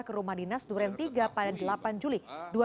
ke rumah dinas duren tiga pada delapan juli dua ribu dua puluh